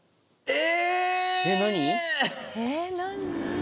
え